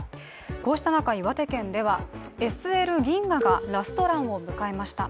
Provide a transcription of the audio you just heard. こうした中、岩手県ではＳＬ銀河がラストランを迎えました。